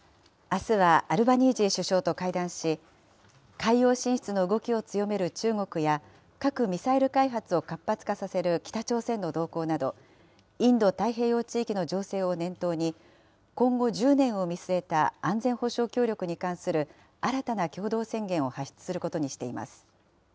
あすはアルバニージー首相と会談し、海洋進出の動きを強める中国や、核・ミサイル開発を活発化させる北朝鮮の動向など、インド太平洋地域の情勢を念頭に、今後１０年を見据えた安全保障協力に関する新たな共同宣言を発出することにしています。